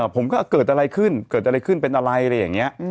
ผมก็เกิดอะไรขึ้นเกิดอะไรขึ้นเป็นอะไรอะไรอย่างนี้